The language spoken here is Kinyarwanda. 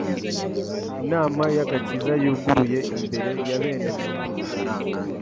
Inama y'agakiza yuguruye imbere ya bene muntu